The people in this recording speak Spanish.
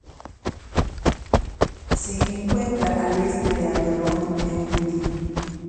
Se encuentra al este del Atolón de Ulithi.